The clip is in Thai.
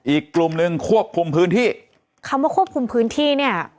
อีกกลุ่มหนึ่งควบคุมพื้นที่คำว่าควบคุมพื้นที่เนี่ย